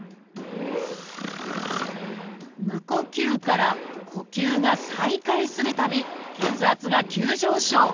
無呼吸から呼吸が再開するたび血圧が急上昇。